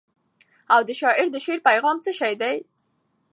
او د شاعر د شعر پیغام څه شی دی؟.